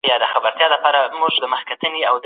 موږ به د فیل خاپونه پیدا کړو.